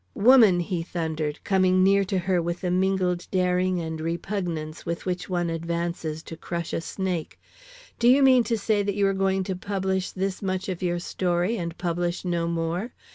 "Woman!" he thundered, coming near to her with the mingled daring and repugnance with which one advances to crush a snake, "do you mean to say that you are going to publish this much of your story and publish no more?